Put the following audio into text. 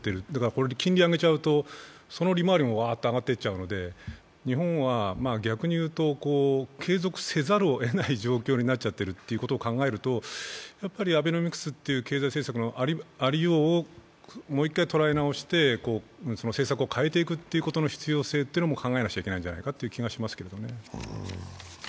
これで金利を挙げちゃうと、その利回りもワーッと上がっちゃうので日本は逆にいうと、継続せざるをえない状況になっちゃってるということを考えるとアベノミクスという経済政策のありようをもう１回捉え直して、政策を変えていくことの必要性も考えなくちゃいけないんじゃないかという気もしますけどね。